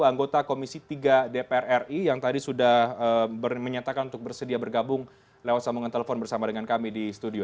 anggota komisi tiga dpr ri yang tadi sudah menyatakan untuk bersedia bergabung lewat sambungan telepon bersama dengan kami di studio